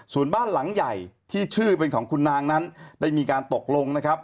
ส่วนบ้านหลังใหญ่ที่ชื่อเป็นของคุณนางนั้นได้มีการตกลงนะครับ